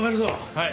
はい。